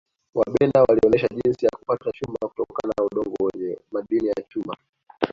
wabena walionesha jinsi ya kupata chuma kutokana na udongo wenye madini ya chuma